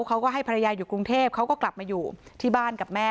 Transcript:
เขาก็ให้ภรรยาอยู่กรุงเทพเขาก็กลับมาอยู่ที่บ้านกับแม่